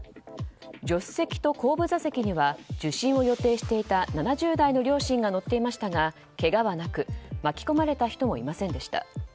助手席と後部座席には受診を予定していた７０代の両親が乗っていましたがけがはなく巻き込まれた人もいませんでした。